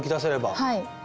はい。